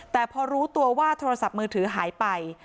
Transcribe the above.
แต่พอรู้ตัวว่าโทรศัพท์มือถือหายไป